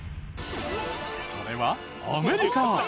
それはアメリカ。